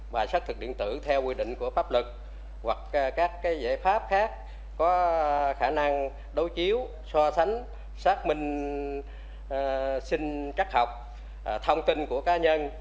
và xác thực điện tử theo quy định của pháp luật hoặc các giải pháp khác có khả năng đối chiếu so sánh xác minh sinh chắc học thông tin của cá nhân